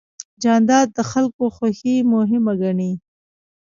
جانداد د خلکو خوښي مهمه ګڼي.